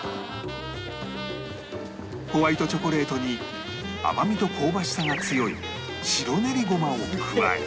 ホワイトチョコレートに甘みと香ばしさが強い白ねりごまを加え